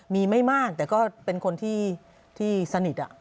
มีไม่มากแต่ก็เป็นคนที่สนิท